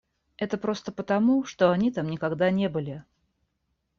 Это просто потому, что они там никогда не были.